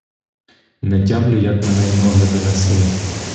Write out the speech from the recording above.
Не тямлю, як мене й ноги донесли.